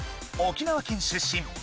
沖縄県出身。